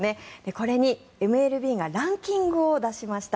これにＭＬＢがランキングを出しました。